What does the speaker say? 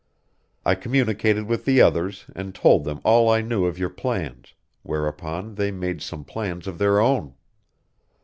"I communicated with the others and told them all I knew of your plans, whereupon they made some plans of their own.